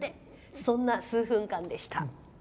そんな数分間でした。